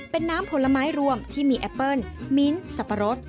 เป็นน้ำผลไม้รวมที่มีแอปเปิ้ลมิ้นสับปะรด